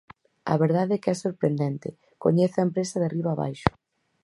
A verdade é que é sorprendente, coñece a empresa de arriba a abaixo.